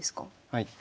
はい。